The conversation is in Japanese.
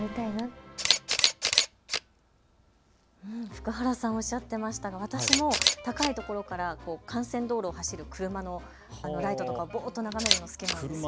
福原さんもおっしゃっていましたが、私も高いところから幹線道路を走る車のライトとかをぼーっと眺めるのが好きなんです。